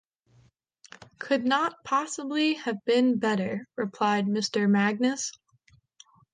Could not possibly have been better,’ replied Mr. Magnus.